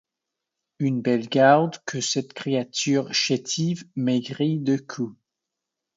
Une belle garde, que cette créature chétive, maigrie de coups!